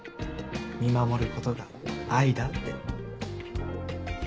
見守ることが愛だって。